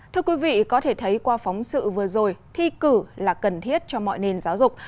thưa quý vị có thể thấy qua phóng sự vừa rồi thi cử là cần thiết cho mọi nền giáo dục